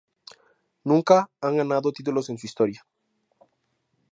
Nunca han ganado títulos en su historia.